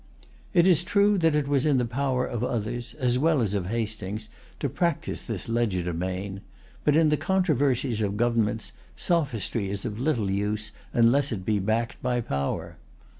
It is true that it was in the power of others, as well as of Hastings, to practise this legerdemain; but in the controversies of governments, sophistry is of little use unless it be backed by power.